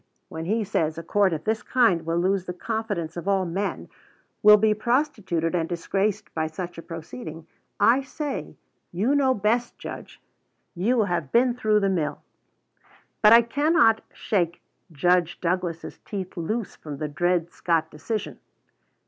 When he says a court of this kind will lose the confidence of all men, will be prostituted and disgraced by such a proceeding, I say, "You know best, Judge; you have been through the mill." But I cannot shake Judge Douglas's teeth loose from the Dred Scott decision.